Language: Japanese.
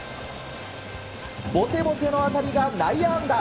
ボテボテの当たりが内野安打。